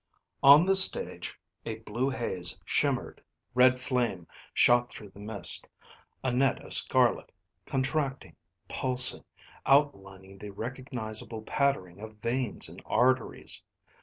On the stage a blue haze shimmered. Red flame shot through the mist, a net of scarlet, contracting, pulsing, outlining the recognizable patterning of veins and arteries.